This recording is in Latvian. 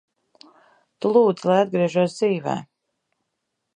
Tu lūdzi, lai atgriežos dzīvē.